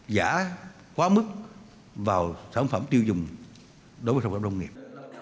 giả quá mức vào sản phẩm tiêu dùng đối với sản phẩm nông nghiệp